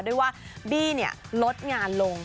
คุณเดียาก็ลดงานบอกว่าเถอะ